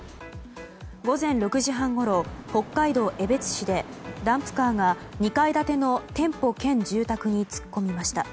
午前６時半ごろ北海道江別市でダンプカーが２階建ての店舗兼住宅に突っ込みました。